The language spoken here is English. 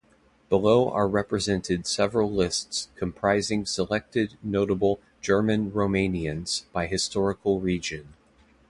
Below are represented several lists comprising selected notable German-Romanians by historical region.